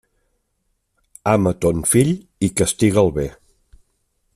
Ama ton fill i castiga'l bé.